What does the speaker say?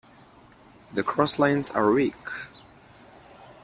The crosslines are weak.